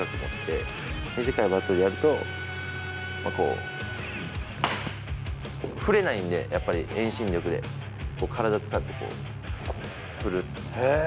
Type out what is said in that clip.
短いバットでやると、こう、振れないんで、やっぱり遠心力で、体使って振る。